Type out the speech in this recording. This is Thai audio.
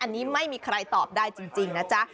อันนี้ไม่มีใครตอบได้จริงนะจ๊ะ